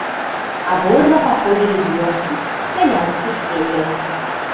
Абодва паходзілі з вёскі, з сялянскіх сем'яў.